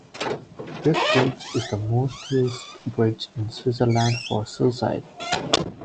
This bridge is the most used bridge in Switzerland for suicide.